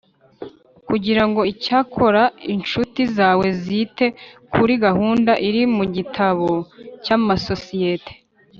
Kujyira ngo Icyakora incuti zawe zose zite kuri gahunda iri mu gitabo cy amasosiyete